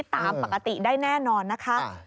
ตามปกติได้แน่นอนนะคะ